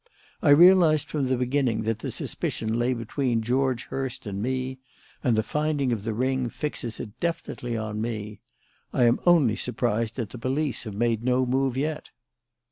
I realised from the beginning that the suspicion lay between George Hurst and me; and the finding of the ring fixes it definitely on me. I am only surprised that the police have made no move yet."